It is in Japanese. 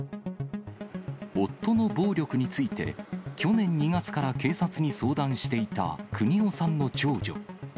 夫の暴力について、去年２月から警察に相談していた邦雄さんの長女。